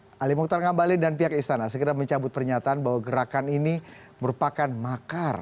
ali mukhtar ngabalin dan pihak istana segera mencabut pernyataan bahwa gerakan ini merupakan makar